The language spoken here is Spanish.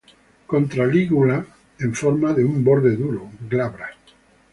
Contra-lígula en forma de un borde duro, glabra.